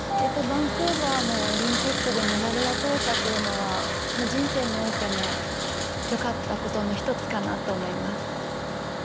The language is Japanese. バンクーバーのオリンピックでメダルが取れたというのは人生においてもよかったことの１つかなと思います。